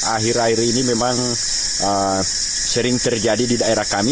akhir akhir ini memang sering terjadi di daerah kami